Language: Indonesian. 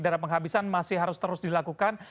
dana penghabisan masih harus terus dilakukan